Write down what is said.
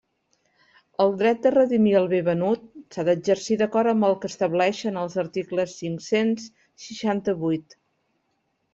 El dret de redimir el bé venut s'ha d'exercir d'acord amb el que estableixen els articles cinc-cents seixanta-vuit.